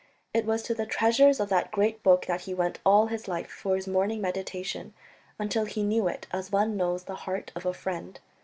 It was to the treasures of that great book that he went all his life for his morning meditation until he knew it as one knows the heart of a friend.